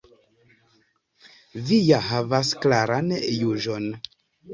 Vi ja havas klaran juĝon.